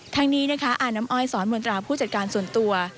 ทั้งนี้นะคะอาน้ำอ้อยสอนมนตราผู้จัดการส่วนตัว